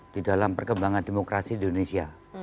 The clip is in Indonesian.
di dalam perkembangan demokrasi di indonesia